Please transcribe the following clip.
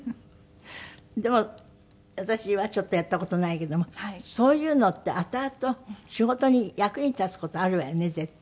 でも私はちょっとやった事ないけどもそういうのってあとあと仕事に役に立つ事あるわよね絶対。